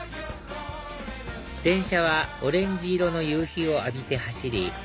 電車はオレンジ色の夕日を浴びて走り